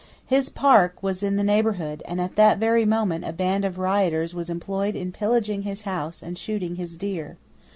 His park was in the neighbourhood; and at that very moment a band of rioters was employed in pillaging his house and shooting his deer.